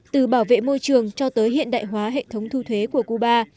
từ bảo vệ môi trường cho tới hiện đại hóa hệ thống thu thuế của cuba